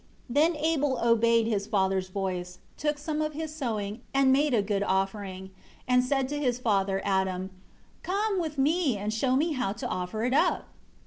3 Then Abel obeyed his father's voice, took some of his sowing, and made a good offering, and said to his father, Adam, "Come with me and show me how to offer it up."